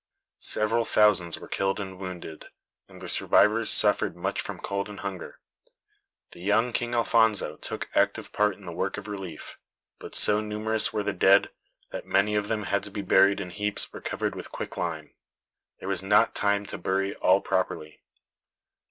Several thousands were killed and wounded, and the survivors suffered much from cold and hunger. The young King Alfonso took active part in the work of relief; but so numerous were the dead that many of them had to be buried in heaps or covered with quick lime. There was not time to bury all properly.